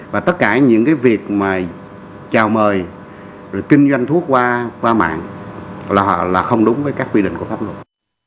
và tất cả những việc chào mời kinh doanh thuốc qua mạng là không đúng với các quy định của pháp luật